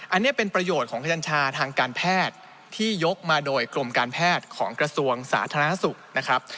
อันนี้เป็นประโยชน์ของขยัญชาทางการแพทย์ที่ยกมาโดยกรมการแพทย์ของกระทรวงสาธารณสุขนะครับ